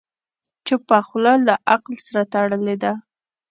چپه خوله، له عقل سره تړلې ده.